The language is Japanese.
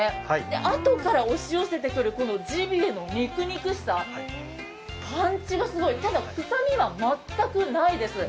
あとから押し寄せてくるジビエの肉肉しさ、パンチがすごい、ただ臭みは全くないです。